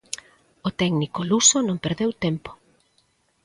O técnico luso non perdeu tempo.